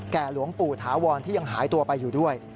หลวงปู่ถาวรที่ยังหายตัวไปอยู่ด้วย